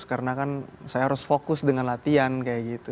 karena kan saya harus fokus dengan latihan kayak gitu